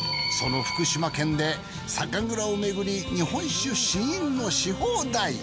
その福島県で酒蔵をめぐり日本酒試飲のし放題。